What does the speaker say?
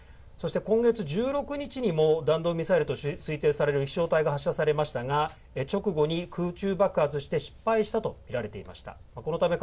そして今月１６日にも弾道ミサイルと推定される飛しょう体が発射されましたが直後に空中爆発して失敗したと見られていました。